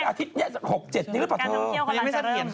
การทำเที่ยวกำลังจะเริ่ม